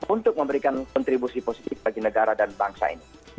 untuk memberikan kontribusi positif bagi negara dan bangsa ini